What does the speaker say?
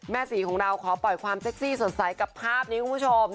สีของเราขอปล่อยความเซ็กซี่สดใสกับภาพนี้คุณผู้ชม